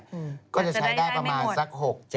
ก็จะใช้ได้ประมาณสัก๖๗